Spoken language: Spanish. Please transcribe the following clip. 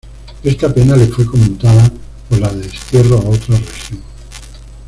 Esta pena le fue conmutada por la de destierro a otra región.